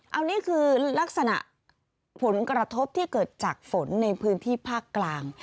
อันนี้คือลักษณะผลกระทบที่เกิดจากฝนในพื้นที่ภาคกลาง